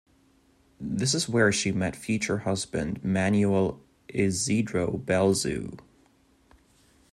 This is where she met future husband Manuel Isidro Belzu.